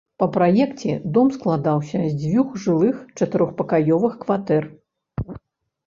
Па праекце дом складаўся з дзвюх жылых чатырохпакаёвых кватэр.